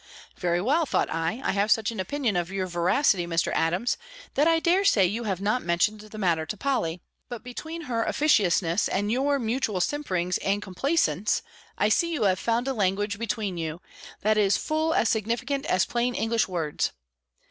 "Very well," thought I, "I have such an opinion of your veracity, Mr. Adams, that I dare say you have not mentioned the matter to Polly; but between her officiousness, and your mutual simperings and complaisance, I see you have found a language between you, that is full as significant as plain English words.